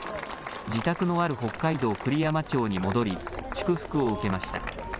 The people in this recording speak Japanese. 自宅のある北海道栗山町に戻り祝福を受けました。